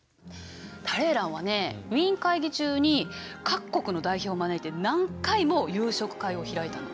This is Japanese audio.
タレーランはねウィーン会議中に各国の代表を招いて何回も夕食会を開いたの。